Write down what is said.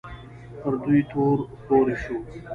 پر دوی تور پورې شو